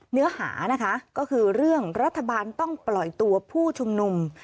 เนื้อหานะคะก็คือเรื่องรัฐบาลต้องปล่อยตัวผู้ชุมนุม